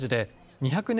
２００年